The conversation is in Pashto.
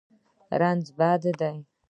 رنځ بد دی.